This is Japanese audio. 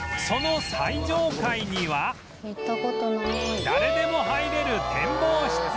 その最上階には誰でも入れる展望室